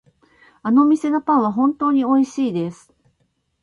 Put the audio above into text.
あの店のパンは本当においしいです。